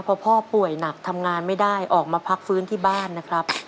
พอพ่อป่วยหนักทำงานไม่ได้ออกมาพักฟื้นที่บ้านนะครับ